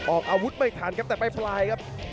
ออกอาวุธไม่ทันครับแต่ไม่พลายครับ